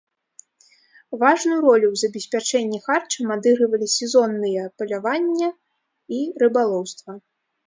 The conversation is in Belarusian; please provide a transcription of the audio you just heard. Важную ролю ў забеспячэнні харчам адыгрывалі сезонныя паляванне і рыбалоўства.